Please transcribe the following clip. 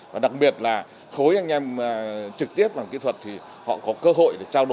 và đặc biệt là khối anh em trực tiếp bằng kỹ thuật thì họ có